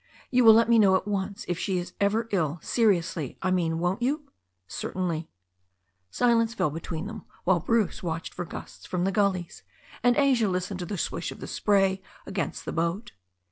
"You will let me know at once if she is ever ill — ^seriously, I mean, won't you?" "Certainly." Silence fell between them, while Bruce watched for gusts from the gullies, and Asia listened to the swish of the spray against the boat.